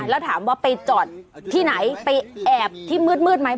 แล้วถามว่าไปจอดที่ไหนไปแอบที่มืดไหม